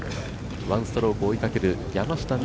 １ストローク差で追いかける山下美